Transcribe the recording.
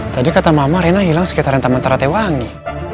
tadi kata mama rena hilang sekitaran taman taratewangi